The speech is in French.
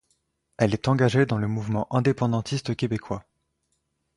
Elle est engagée dans le mouvement indépendantiste québecois.